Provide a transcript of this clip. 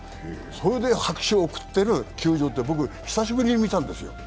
それで拍手を送ってる球場って僕、久しぶりに見たんですよね。